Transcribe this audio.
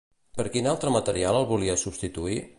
Per quin altre material el volia substituir?